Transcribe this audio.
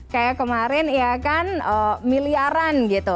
kayak kemarin ya kan miliaran gitu